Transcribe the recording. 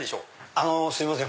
あのすいません。